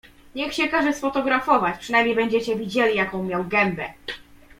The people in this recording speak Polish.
"Niech się każe sfotografować, przynajmniej będziecie widzieli, jaką miał gębę."